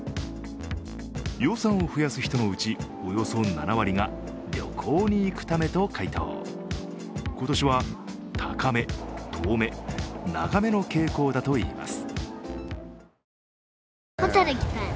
予算を増やす人のうち、およそ７割が旅行に行くためと回答今年は高め、遠め、長めの傾向だといいます。